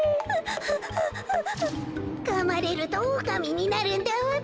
かまれるとおおかみになるんだわべ。